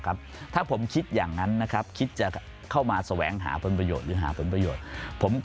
เพราะถ้าผมคิดแบบนั้นผมก็ตั้งพี่ชายผม